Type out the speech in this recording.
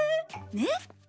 ねっ？